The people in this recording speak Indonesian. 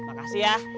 pok makasih ya